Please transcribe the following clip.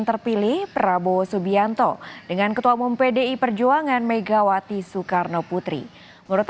terpilih prabowo subianto dengan ketua umum pdi perjuangan megawati soekarno putri menurut